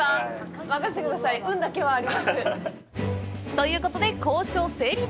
ということで交渉成立！